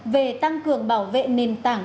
về tăng cường bảo vệ nền tảng